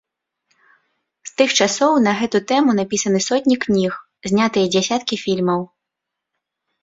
З тых часоў на гэту тэму напісаныя сотні кніг, знятыя дзясяткі фільмаў.